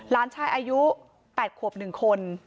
หลานชายอายุ๘ขวบ๑คน